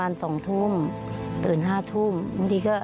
ป้าก็ทำของคุณป้าได้ยังไงสู้ชีวิตขนาดไหนติดตามกัน